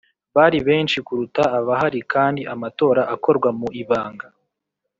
Bari benshi kuruta abahari kandi amatora akorwa mu ibanga